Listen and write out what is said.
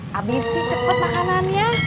eh habisi cepet makanannya